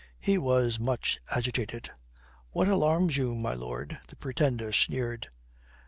He was much agitated. "What alarms you, my lord?" The Pretender sneered.